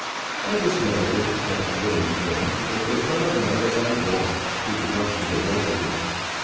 I dismounted, like a little man, and for five miles I walked, keeping up with the regiment.